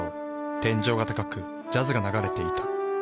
天井が高くジャズが流れていた。